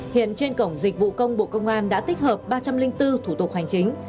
hiện trên cổng dịch vụ công bộ công an đã tích hợp ba trăm linh bốn thủ tục hành chính